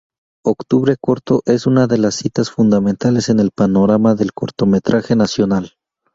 Octubre Corto es una de las citas fundamentales en el panorama del cortometraje nacional.